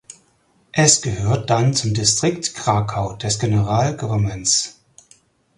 Es gehörte dann zum Distrikt Krakau des Generalgouvernements.